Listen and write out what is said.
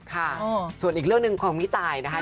ค่ะส่วนอีกเรื่องหนึ่งของพี่ตายนะคะ